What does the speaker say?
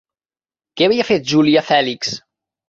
Què havia fet Júlia Fèlix?